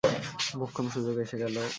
মোক্ষম সুযোগ এসে গেল।